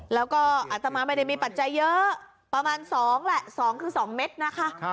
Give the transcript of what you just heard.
แล้วก็อัตมาไม่ได้มีปัจจัยเยอะประมาณ๒แหละ๒คือ๒เม็ดนะคะ